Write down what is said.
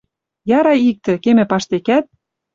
Яра иктӹ: кемӹ паштекӓт